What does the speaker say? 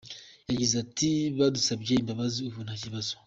Yagize ati “Badusabye imbabazi, ubu nta kibazo.